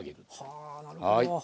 はあなるほど。